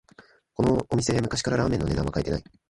このお店、昔からラーメンの値段は変えてない